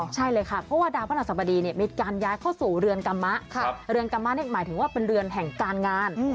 ใช่เลยค่ะเพราะว่าดาวพระราชสมดีมีการย้ายเข้าสู่เรือนกรรมะเรือนกรรมะนี่หมายถึงว่าเป็นเรือนแห่งการงาน